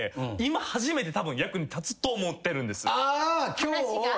今日。